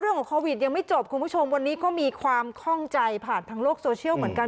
โควิดยังไม่จบคุณผู้ชมวันนี้ก็มีความคล่องใจผ่านทางโลกโซเชียลเหมือนกัน